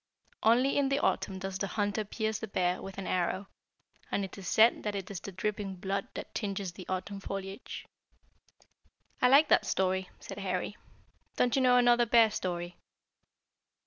Only in the autumn does the hunter pierce the bear with an arrow, and it is said that it is the dripping blood that tinges the autumn foliage." "I like that story," said Harry. "Don't you know another bear story?"